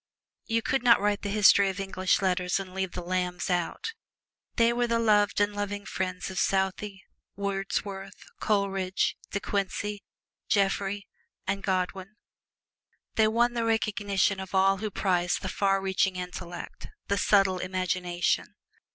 You can not write the history of English Letters and leave the Lambs out. They were the loved and loving friends of Southey, Wordsworth, Coleridge, De Quincey, Jeffrey and Godwin. They won the recognition of all who prize the far reaching intellect the subtle imagination.